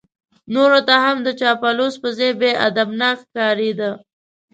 نورو ته هم د چاپلوس په ځای بیا ادبناک ښکارېده.